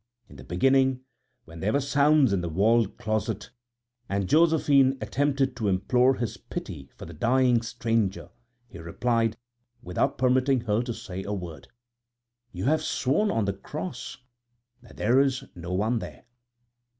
In the beginning, when there were sounds in the walled closet, and Josephine attempted to implore his pity for the dying stranger, he replied, without permitting her to say a word: "You have sworn on the cross that there is no one there."